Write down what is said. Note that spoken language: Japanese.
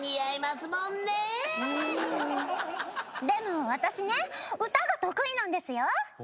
でも私ね歌が得意なんですよ。